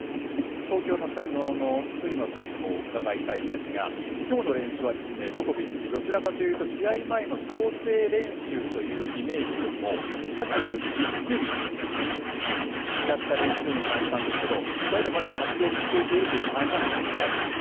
東京のスタジオの辻野さんにも伺いたいんですが今日の練習はジョコビッチはどちらかというと試合前の調整練習というイメージよりも、かなりじっくりみっちりやった練習のように感じたんですがその辺、まだ先を見据えている感じなんでしょうか？